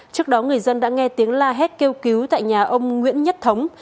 trước đó người dân đã nghe tiếng la hét kêu cứu tại nhà ông nguyễn nhất thống